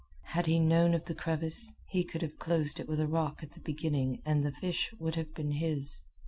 Had he known of the crevice, he could have closed it with a rock at the beginning and the fish would have been his.